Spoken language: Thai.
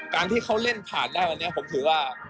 การที่เขาเล่นผ่านได้วันนี้ผมถือว่า